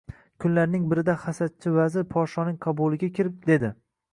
Kunlarning birida hasadchi vazir podshoning qabuliga kirib, dedi